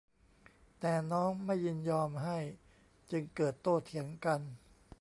แต่น้องไม่ยินยอมให้จึงเกิดโต้เถียงกัน